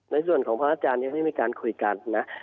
ในส่วนของพระอาจารย์ยังไม่มีการคุยกันนะ